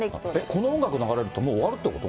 この音楽流れるともう終わるってこと？